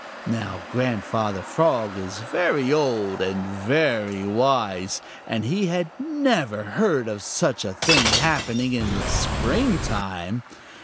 Now Grandfather Frog is very old and very wise, and he had never heard of such a thing happening in the springtime.